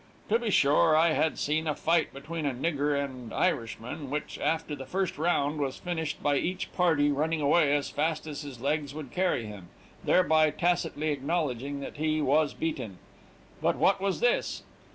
To be sure, I had seen a fight between a nigger and Irishman, which, after the first round, was finished by each party running away as fast as his legs could carry him, thereby tacitly acknowledging that he was beaten; but what was this?